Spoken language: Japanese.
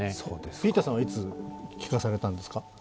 ピーターさんはいつ聞かされたんですか？